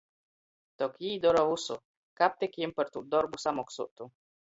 Tok jī dora vysu, kab tik jim par tū dorbu samoksuotu.